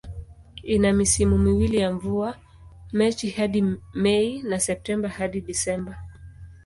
Ina misimu miwili ya mvua, Machi hadi Mei na Septemba hadi Disemba.